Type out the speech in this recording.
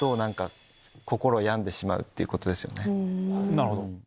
なるほど。